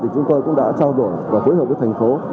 chúng tôi cũng đã trao đổi và phối hợp với thành phố